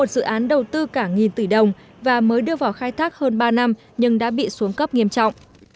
một dự án đầu tư cả nghìn tỷ đồng và mới đưa vào khai thác hơn ba năm nhưng đã bị xuống cấp nghiêm trọng